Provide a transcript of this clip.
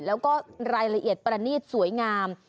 แล้วก็รายละเอียดประณีตสวยงาม